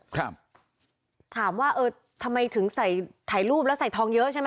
ครับถามว่าเออทำไมถึงใส่ถ่ายรูปแล้วใส่ทองเยอะใช่ไหม